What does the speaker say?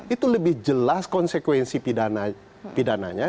itu lebih jelas konsekuensi pidananya